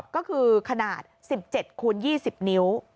ก็คือขนาด๑๗คูณ๒๐นิ้ว